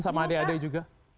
sama adik adik juga